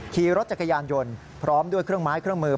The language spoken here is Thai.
ขี่รถจักรยานยนต์พร้อมด้วยเครื่องไม้เครื่องมือ